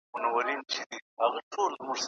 د زکام پر مهال لرې اوسئ.